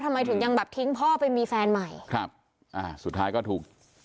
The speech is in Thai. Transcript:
ทำไมถึงยังแบบทิ้งพ่อไปมีแฟนใหม่ครับอ่าสุดท้ายก็ถูก